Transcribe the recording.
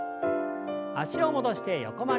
脚を戻して横曲げです。